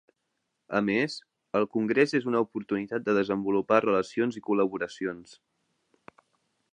A més, el Congrés és una oportunitat de desenvolupar relacions i col·laboracions.